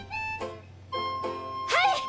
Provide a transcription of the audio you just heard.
はい！